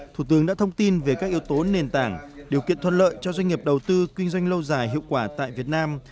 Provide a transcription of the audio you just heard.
thủ tướng đã thông tin về các yếu tố nền tảng điều kiện thuận lợi cho doanh nghiệp đầu tư kinh doanh lâu dài hiệu quả tại việt nam